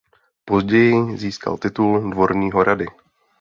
Později získal titul dvorního rady.